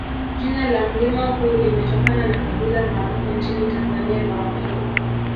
Jina la mlima huu limetokana na kabila maarufu nchini Tanzania la Wameru